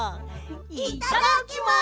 いただきます！